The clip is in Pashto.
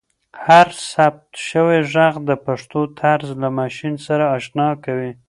هر ثبت شوی ږغ د پښتو طرز له ماشین سره اشنا کوي.